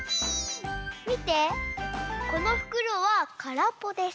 みてこのふくろはからっぽです。